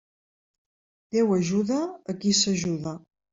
Déu ajuda a qui s'ajuda.